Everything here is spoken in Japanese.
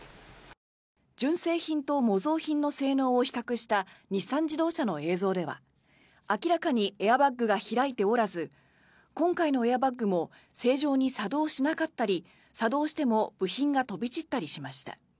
純正品と模造品の性能を比較した日産自動車の映像では、明らかにエアバッグが開いておらず今回のエアバッグも正常に作動しなかったり作動しても部品が飛び散ったりしました。